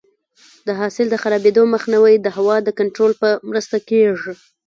د حاصل د خرابېدو مخنیوی د هوا د کنټرول په مرسته کېږي.